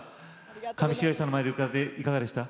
上白石さんの前で歌われていかがでした？